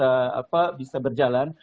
ya mudah mudahan bisa berjalan